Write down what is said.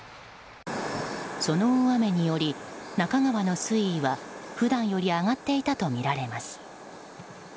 その大雨により、那珂川の水位は普段より上がっていたとみられます。